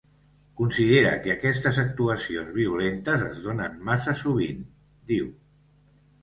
Considera que aquestes actuacions violentes es donen massa sovint, diu.